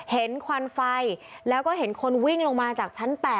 ควันไฟแล้วก็เห็นคนวิ่งลงมาจากชั้น๘